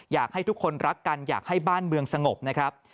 อยากให้ทุกคนรักกันอยากให้บ้านเมืองสงบนะครับ